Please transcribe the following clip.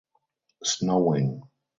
Snowing.